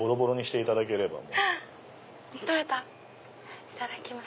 いただきます